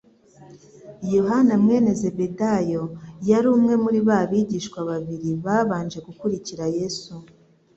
Yohana mwene Zebedayo, yari umwe muri ba bigishwa babiri babanje gukurikira Yesu.